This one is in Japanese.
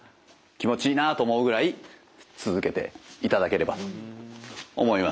気持ちいいなと思うぐらい続けていただければと思います。